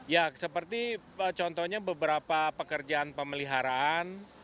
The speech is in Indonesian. ya seperti contohnya beberapa pekerjaan pemeliharaan